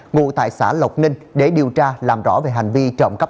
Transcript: ngụ tại xã lộc ninh để điều tra làm rõ về hành vi trọng cấp